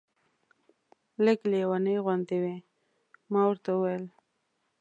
لږ لېونۍ غوندې وې. ما ورته وویل.